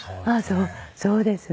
そうですね。